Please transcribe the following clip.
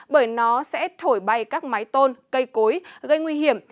bởi nó sẽ thổi bay các máy tôn cây cối gây nguy hiểm